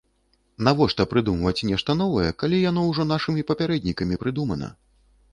Навошта прыдумваць нешта новае, калі яно ўжо нашымі папярэднікамі прыдумана?